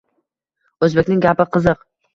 O‘zbekning gapi qiziq.